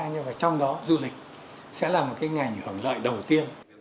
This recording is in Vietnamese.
nhưng mà trong đó du lịch sẽ là một cái ngành hưởng lợi đầu tiên